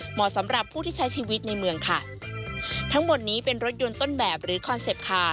เหมาะสำหรับผู้ที่ใช้ชีวิตในเมืองค่ะทั้งหมดนี้เป็นรถยนต์ต้นแบบหรือคอนเซ็ปต์คาร์